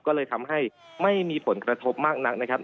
ก็เลยทำให้ไม่มีผลกระทบมากนักนะครับ